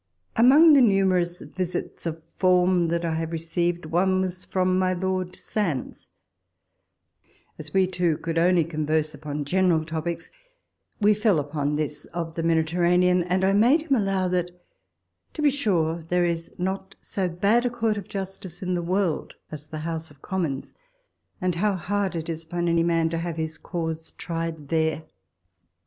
Among the numerous visits of form that I have received, one was from my Lord Sandys: as WALPOLE S LETTERS. 29 we two could only converse upon general topics, we fell upon this of the Mediterranean, and I made him allow, " that, to be sure, there is not so bad a court of justice in the world as the House of Commons ; and how hard it is upon any man to have his cause tried there